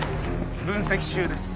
分析中です